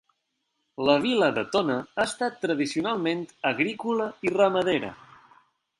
La vila de Tona ha estat tradicionalment agrícola i ramadera.